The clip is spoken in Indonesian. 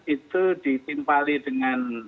itu ditimpali dengan